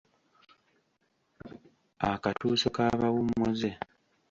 Akatuuso k’abawummuze.